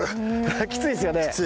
きついですよね。